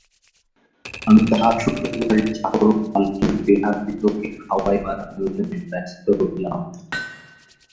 আমি তাহার শ্বশুরবাড়ির চাকর ও পালকির বেহারাদিগকে খাওয়াইবার আয়োজনে ব্যস্ত রহিলাম।